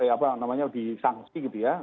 apa namanya disangsi gitu ya